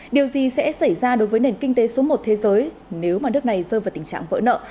điều gì sẽ xảy ra đối với nền kinh tế số một thế giới nếu mà nước này rơi vào tình trạng vỡ nợ